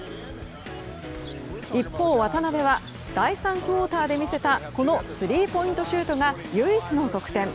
一方、渡邊は第３クオーターで見せたこのスリーポイントシュートが唯一の得点。